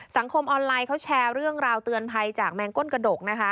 สังคมออนไลน์เขาแชร์เรื่องราวเตือนภัยจากแมงก้นกระดกนะคะ